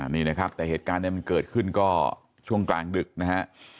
นี่นะครับแต่เหตุการณ์นี้มันเกิดขึ้นก็ช่วงกลางดึกนะฮะ